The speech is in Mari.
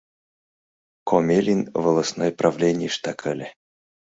Комелин волостной правленийыштак ыле.